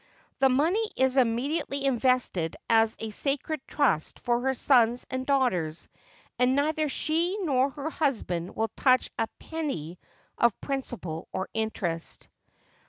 The money is immediately invested as a sacred trust for her sons and daughters, and neither she nor her husband will touch a penny of principal or interest.